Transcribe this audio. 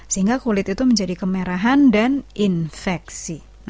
sehingga kulit itu menjadi kemerahan dan infeksi